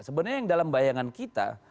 sebenarnya yang dalam bayangan kita